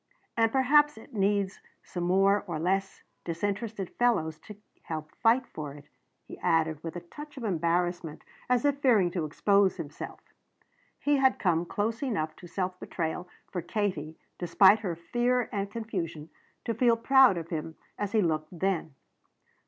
And perhaps it needs some more or less disinterested fellows to help fight for it," he added with a touch of embarrassment, as if fearing to expose himself. He had come close enough to self betrayal for Katie, despite her fear and confusion, to feel proud of him as he looked then.